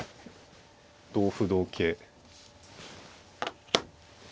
同歩同桂。